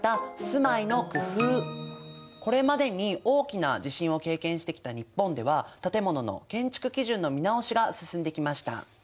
これまでに大きな地震を経験してきた日本では建物の建築基準の見直しが進んできました。